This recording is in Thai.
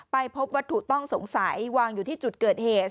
พบวัตถุต้องสงสัยวางอยู่ที่จุดเกิดเหตุ